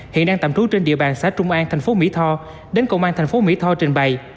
hiện đang tạm trú trên địa bàn xã trung an thành phố mỹ tho đến công an thành phố mỹ tho trình bày